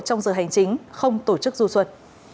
trong giờ hành chính không tổ chức du xuất